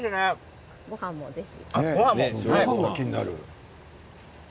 ごはんもぜひ。